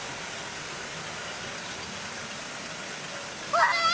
うわ！